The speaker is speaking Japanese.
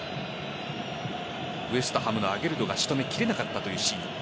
ウエストハムのアゲルドが仕留めきれなかったというシーン。